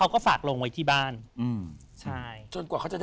แล้วก็ฝากลงไว้ที่บ้าน